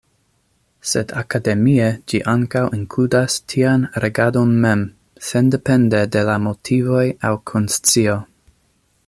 Sed akademie, ĝi ankaŭ inkludas tian regadon mem, sendepende de la motivoj aŭ konscio.